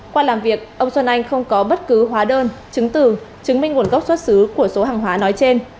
qua làm việc ông xuân anh không có bất cứ hóa đơn chứng từ chứng minh nguồn gốc xuất xứ của số hàng hóa nói trên